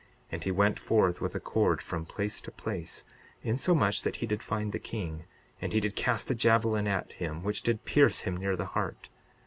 And he went forth with a cord, from place to place, insomuch that he did find the king; and he did cast a javelin at him, which did pierce him near the heart.